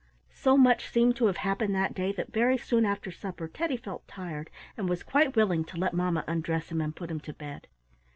So much seemed to have happened that day that very soon after supper Teddy felt tired and was quite willing to let mamma undress him and put him to bed.